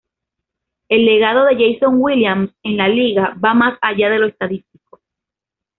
El legado de Jason Williams en la liga va más allá de lo estadístico.